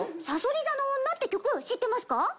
『さそり座の女』って曲知ってますか？